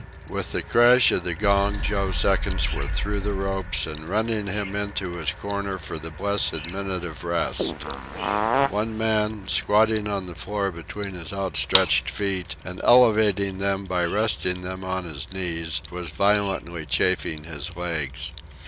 With the crash of the gong Joe's seconds were through the ropes and running him into his corner for the blessed minute of rest. One man, squatting on the floor between his outstretched feet and elevating them by resting them on his knees, was violently chafing his legs.